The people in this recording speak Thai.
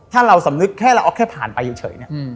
ถ้าเราสำนึกแค่เราเอาแค่ผ่านไปเฉยเนี่ย